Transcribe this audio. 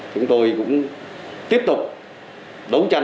chúng tôi cũng tiếp tục đấu tranh